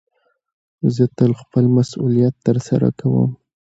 زه تل خپل مسئولیت ترسره کوم.